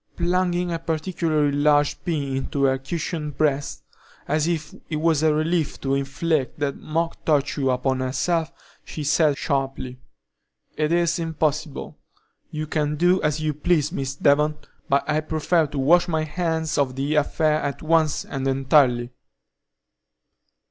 Plunging a particularly large pin into her cushioned breast, as if it was a relief to inflict that mock torture upon herself, she said sharply: "It is impossible. You can do as you please, Miss Devon, but I prefer to wash my hands of the affair at once and entirely."